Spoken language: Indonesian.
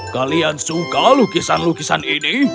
kalian suka lukisan lukisan ini